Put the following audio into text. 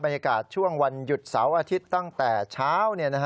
บรรยากาศช่วงวันหยุดเสาร์อาทิตย์ตั้งแต่เช้า